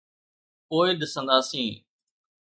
پوءِ ڏسنداسين.